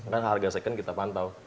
kan harga second kita pantau